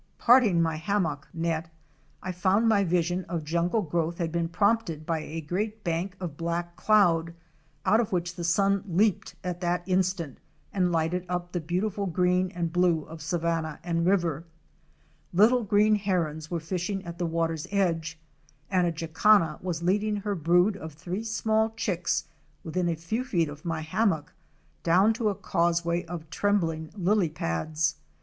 Parting my hammock net, I found my vision of jungle growth had been prompted by a great bank of black cloud, out of which the sun leaped at that instant and lighted up the beautiful green and blue of savanna and river. Little Green Herons™ were fishing at the water's edge and a Jacana" was leading her brood of three small chicks within Fic. 160. YOUNG SPUR WINGED JACANA. a few feet of my hammock, down to a causeway of trem bling lily pads.